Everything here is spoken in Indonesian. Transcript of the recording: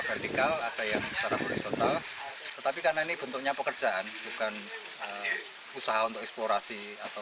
vertikal ada yang secara horizontal tetapi karena ini bentuknya pekerjaan bukan usaha untuk eksplorasi atau